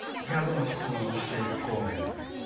１００の質問して行くコーナーやねんけど。